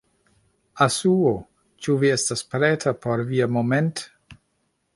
Asuo, ĉu vi estas preta por via moment'...